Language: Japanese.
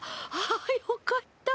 あよかった。